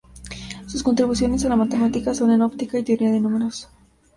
Sus contribuciones a la matemática son en óptica y teoría de números.